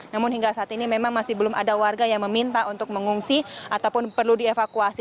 namun hingga saat ini memang masih belum ada warga yang meminta untuk mengungsi ataupun perlu dievakuasi